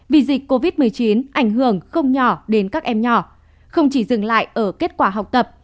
vì dịch covid một mươi chín ảnh hưởng không nhỏ đến các em nhỏ không chỉ dừng lại ở kết quả học tập